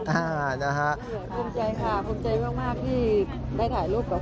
ภูมิใจค่ะภูมิใจมากที่ได้ถ่ายรูปกับคู่